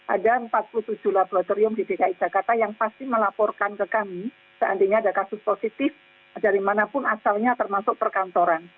ada empat puluh tujuh laboratorium di dki jakarta yang pasti melaporkan ke kami seandainya ada kasus positif dari manapun asalnya termasuk perkantoran